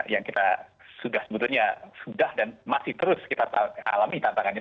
yang kita sudah sebetulnya sudah dan masih terus kita alami tantangannya